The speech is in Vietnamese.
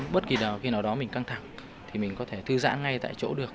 bất kỳ nào đó mình căng thẳng thì mình có thể thư giãn ngay tại chỗ được